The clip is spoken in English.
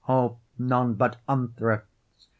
O! none but unthrifts.